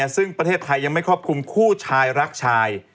ซึ่งประเทศไทยยังไม่ครอบคลุมคู่ชายรักชาย